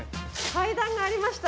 階段がありました。